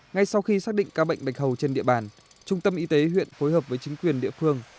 ngay sau khi xác định ca bệnh bạch hầu trên địa bàn trung tâm y tế huyện phối hợp với chính quyền địa phương